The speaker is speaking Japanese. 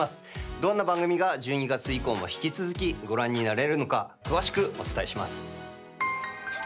どんな番組が１２月以降も引き続きご覧になれるのか詳しくお伝えします。